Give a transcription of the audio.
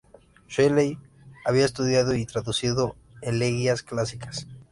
Shelley había estudiado y traducido elegías clásicas.